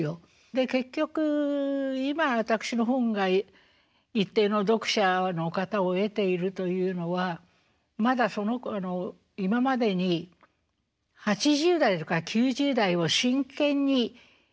で結局今私の本が一定の読者の方を得ているというのはまだ今までに８０代とか９０代を真剣に。